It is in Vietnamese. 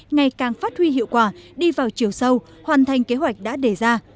ngày càng phát huy hiệu quả đi vào chiều sâu hoàn thành kế hoạch đã đề ra